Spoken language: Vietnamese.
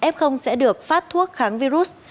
f sẽ được phát thuốc kháng virus